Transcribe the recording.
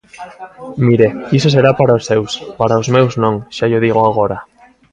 Mire, iso será para os seus, para os meus non, xa llo digo agora.